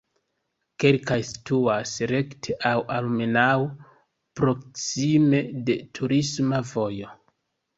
Kelkaj situas rekte aŭ almenaŭ proksime de turisma vojo.